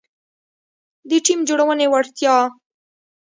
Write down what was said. -د ټیم جوړونې وړتیا